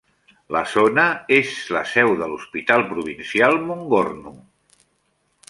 La zona és la seu de l"hospital provincial Mongorno.